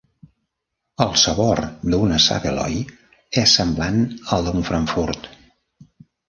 El sabor d'una saveloy és semblant al d'un frankfurt.